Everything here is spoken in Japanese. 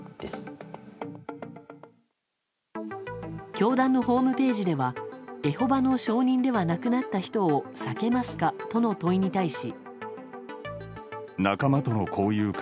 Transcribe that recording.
教団のホームページではエホバの証人ではなくなったひとを避けますかとの問いに対し。